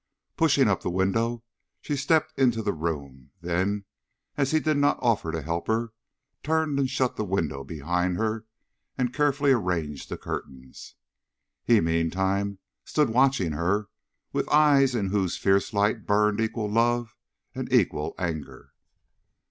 Pushing up the window, she stepped into the room; then, as he did not offer to help her, turned and shut the window behind her and carefully arranged the curtains. He meantime stood watching her with eyes in whose fierce light burned equal love and equal anger.